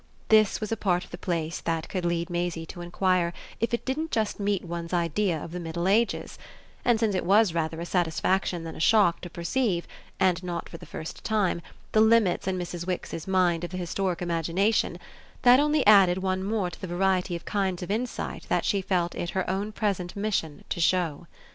This was a part of the place that could lead Maisie to enquire if it didn't just meet one's idea of the middle ages; and since it was rather a satisfaction than a shock to perceive, and not for the first time, the limits in Mrs. Wix's mind of the historic imagination, that only added one more to the variety of kinds of insight that she felt it her own present mission to show.